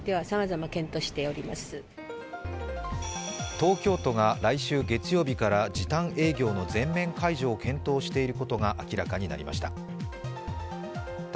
東京都が来週月曜日から時短営業の全面解除を検討していることが明らかになりました。